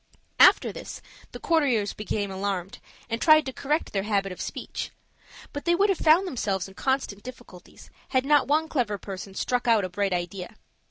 After this, the courtiers became alarmed, and tried to correct their habit of speech; but they would have found themselves in constant difficulties, had not one clever person struck out a bright idea.